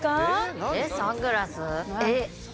えっサングラス？